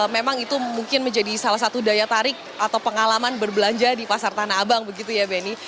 memang itu mungkin menjadi salah satu daya tarik atau pengalaman berbelanja di pasar tanah abang begitu ya benny